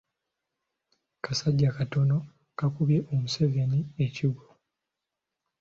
Kasajja katono kakubye omuseveni ekigwo.